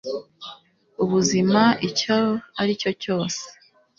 ubuzima icyo aricyo cyose